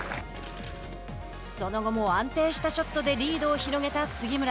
その後も安定したショットでリードを広げた杉村。